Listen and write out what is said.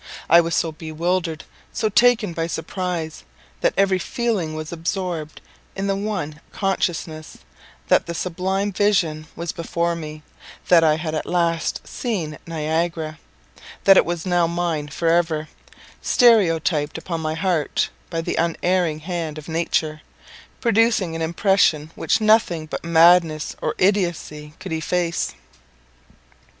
I was so bewildered so taken by surprise that every feeling was absorbed in the one consciousness, that the sublime vision was before me; that I had at last seen Niagara; that it was now mine forever, stereotyped upon my heart by the unerring hand of nature; producing an impression which nothing but madness or idiotcy could efface!